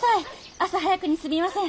朝早くにすみません！